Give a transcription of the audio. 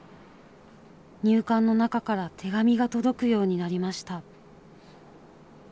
入管の中から手紙が届くようになりました。